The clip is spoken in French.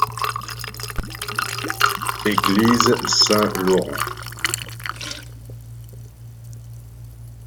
Église Saint-Laurent.